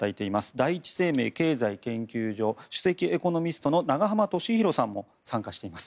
第一生命経済研究所首席エコノミストの永濱利廣さんも参加しています。